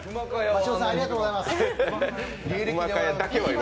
真塩さんありがとうございます。